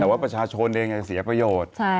แต่ว่าประชาชนเองยังเสียประโยชน์